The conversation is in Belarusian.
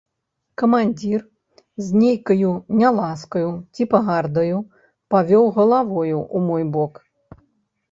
Камандзір з нейкаю няласкаю ці пагардаю павёў галавою ў мой бок.